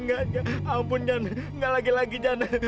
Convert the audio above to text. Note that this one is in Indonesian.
nggak jan nggak lagi jan